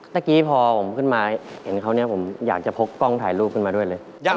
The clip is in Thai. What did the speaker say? เมื่อกี้พอผมขึ้นมาเห็นเขาเนี่ยผมอยากจะพกกล้องถ่ายรูปขึ้นมาด้วยเลย